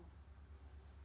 dari sesuatu yang buruk